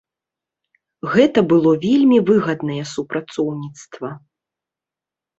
Гэта было вельмі выгаднае супрацоўніцтва.